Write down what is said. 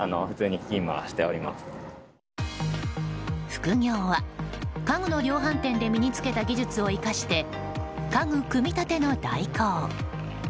副業は、家具の量販店で身に付けた技術を生かして家具組み立ての代行。